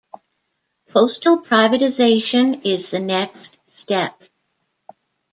Postal privatization is the next step.